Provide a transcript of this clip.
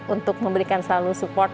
untuk memberikan selalu support